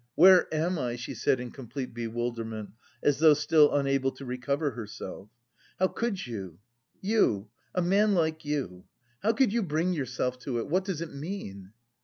Where am I?" she said in complete bewilderment, as though still unable to recover herself. "How could you, you, a man like you.... How could you bring yourself to it?... What does it mean?"